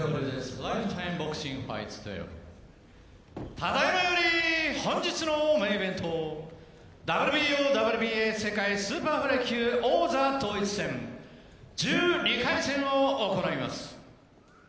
ただいまより本日のメインイベントＷＢＯ・ＷＢＡ世界スーパーフライ級王座統一戦、１２回戦を行います。